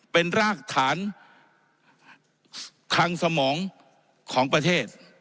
เป็นรากฐานคังสมองของประเทศ